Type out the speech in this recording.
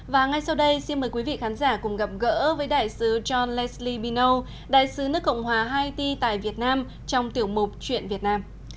và ngay sau đây xin mời quý vị khán giả cùng gặp gỡ với đại sứ john lensly bino đại sứ nước cộng hòa haiti tại việt nam trong tiểu mục chuyện việt nam